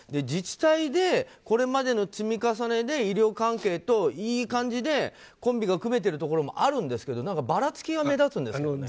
自治体でこれまでの積み重ねで医療関係といい感じでコンビが組めてるところもあるんですけどばらつきが目立つんですよね。